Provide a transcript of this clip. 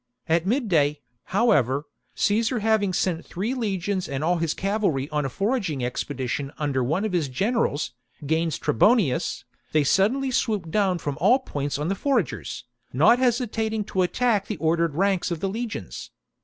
At midday, however, Caesar having sent three legions and all his cavalry on a foraging expedition under one of his generals, Gains Tre bonius, they suddenly swooped down from all points on the foragers, not hesitating to attack the ordered ranks of the legions.